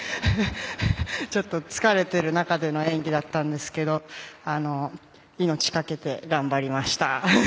ちょっと疲れている中での演技だったんですけど命かけて頑張りました。